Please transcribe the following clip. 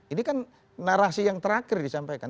ini kan narasi yang terakhir disampaikan